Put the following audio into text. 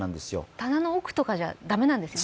棚の奥とかじゃだめなんですよね。